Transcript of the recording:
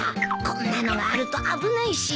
こんなのがあると危ないし。